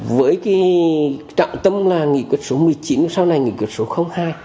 với cái trọng tâm là nghị quyết số một mươi chín sau này nghị quyết số hai